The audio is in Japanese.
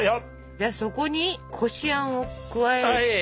じゃあそこにこしあんを加えて。